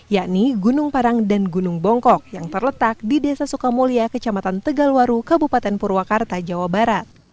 yakni gunung parang dan gunung bongkok yang terletak di desa sukamulya kecamatan tegalwaru kabupaten purwakarta jawa barat